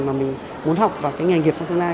mà mình muốn học và cái nghề nghiệp trong tương lai